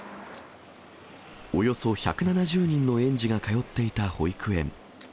およそ１７０人の園児が通っていた保育園。